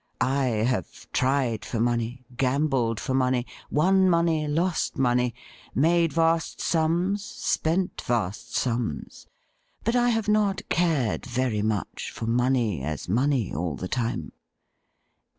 I have tried for money, gambled for money, won money, lost money, made vast sums, spent vast sums, but I have not cared very much for money as money all the time.'